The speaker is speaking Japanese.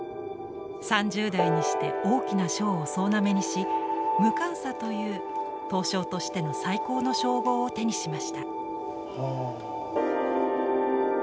３０代にして大きな賞を総なめにし無鑑査という刀匠としての最高の称号を手にしました。